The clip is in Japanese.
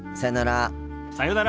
さようなら。